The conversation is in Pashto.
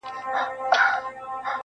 o معرفت ته یې حاجت نه وینم چاته,